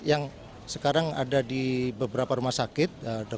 yang sekarang ada di beberapa rumah sakit